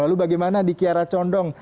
lalu bagaimana di kiara condong